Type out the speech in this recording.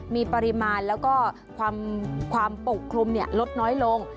มีปริมาณแล้วก็ความปกคลุมลดน้อยลง